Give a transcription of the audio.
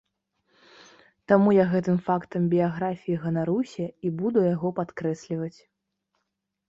Таму я гэтым фактам біяграфіі ганаруся і буду яго падкрэсліваць.